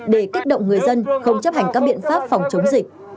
để kích động người dân không chấp hành các biện pháp phòng chống dịch